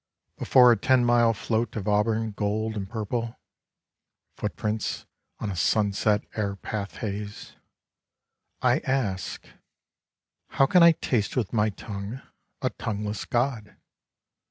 " Before a ten mile float of auburn, gold, and purple, footprints on a sunset airpath haze, I ask: How can I taste with my tongue a tongueless God?